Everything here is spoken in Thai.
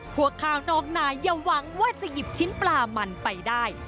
พวกข้าวนอกนายอย่าหวังว่าจะหยิบชิ้นปลามันไปได้